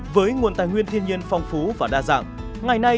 với nguồn tài nguyên thiên nhiên phong phú và đa dạng